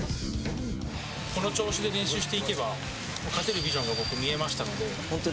この調子で練習していけば勝てるビジョンが僕、見えましたので。